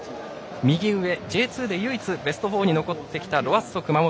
右上、Ｊ２で唯一ベスト４に残ってきたロアッソ熊本。